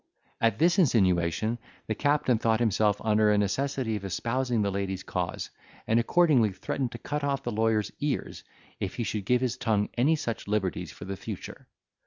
At this insinuation the captain thought himself under a necessity of espousing the lady's cause; and accordingly threatened to cut off the lawyer's ears, if he should give his tongue any such liberties for the future.